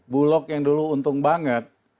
bulog yang dulu untung banget